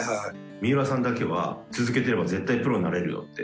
三浦さんだけは続けてれば絶対プロになれるよって。